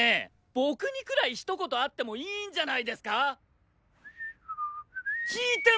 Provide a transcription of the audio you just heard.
僕にくらいひと言あってもいいんじゃないですか⁉聞いてます